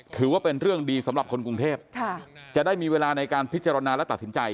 ถือว่าเป็นเรื่องดีสำหรับคนกรุงเทพจะได้มีเวลาในการพิจารณาและตัดสินใจ